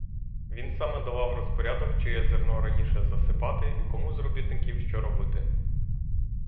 Він саме давав розпорядок, чиє зерно раніше засипати і кому з робітників що робити.